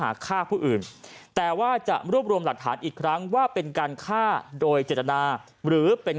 ฆ่าผู้อื่นแต่ว่าจะรวบรวมหลักฐานอีกครั้งว่าเป็นการฆ่าโดยเจตนาหรือเป็น